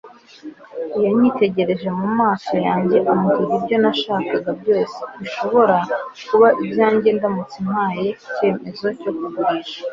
yanyitegereje mu maso yanjye ambwira ibyo nashakaga byose bishobora kuba ibyanjye ndamutse mpaye icyemezo cyo kugurisha